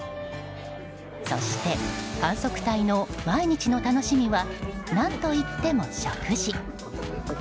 そして、観測隊の毎日の楽しみは何といっても食事。